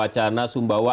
karena ada wacana sumbawa